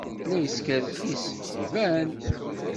La yeskerkis? Iban.